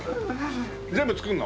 全部作るの？